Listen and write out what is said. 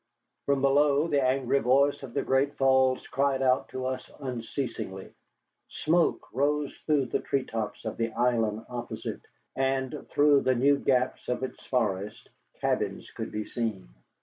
From below, the angry voice of the Great Falls cried out to us unceasingly. Smoke rose through the tree tops of the island opposite, and through the new gaps of its forest cabins could be seen.